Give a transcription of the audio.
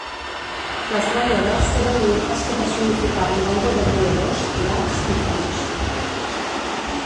Les nàiades eren nimfes que personificaven l'aigua de brolladors, llacs i fonts.